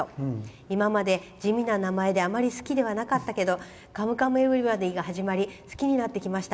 今まで、地味な名前であまり好きではなかったけど「カムカムエヴリバディ」が始まり好きになってきました。